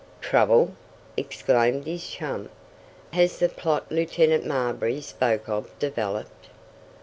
"Trouble!" exclaimed his chum. "Has that plot Lieutenant Marbury spoke of developed?"